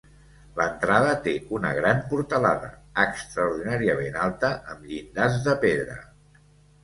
L'entrada té una gran portalada, extraordinàriament alta, amb llindars de pedra.